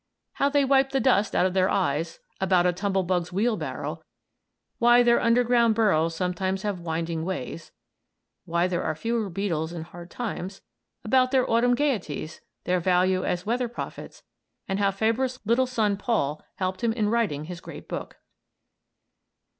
How they wipe the dust out of their eyes; about a tumblebug's wheelbarrow; why their underground burrows sometimes have winding ways; why there are fewer beetles in hard times; about their autumn gaieties; their value as weather prophets, and how Fabre's little son Paul helped him in writing his great book.